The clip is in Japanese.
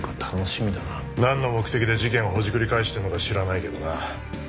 なんの目的で事件をほじくり返してるのか知らないけどな。